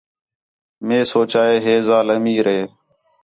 مئے سوچا ہے ہِے ذال امیر ہے